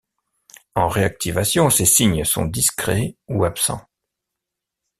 En réactivation, ces signes sont discrets ou absents.